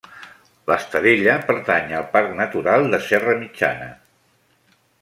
L'Estadella pertany al Parc Natural de Serra Mitjana.